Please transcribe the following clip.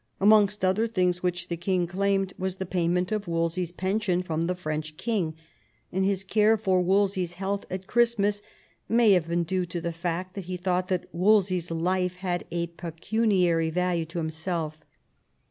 Amongst other things which the king claimed was the payment of Wolsey 's pension from the French king; and his care for Wolsey's health at Christmas may have been due to the fact that he thought that Wolsey's life had a pecuniary value to him self.